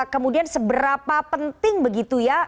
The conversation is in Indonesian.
kemudian seberapa penting begitu ya